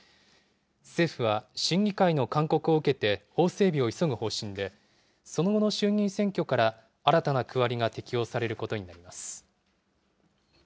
政府は審議会の勧告を受けて法整備を急ぐ方針で、その後の衆議院選挙から新たな区割りが適用されることになります。